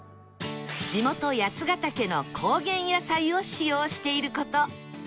地元八ヶ岳の高原野菜を使用している事